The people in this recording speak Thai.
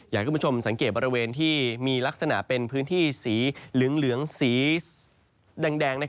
อยากให้คุณผู้ชมสังเกตบริเวณที่มีลักษณะเป็นพื้นที่สีเหลืองสีแดง